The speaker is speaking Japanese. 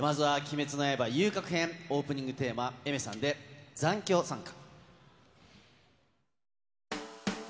まずは鬼滅の刃遊郭編、オープニングテーマ、Ａｉｍｅｒさんで、残響散歌。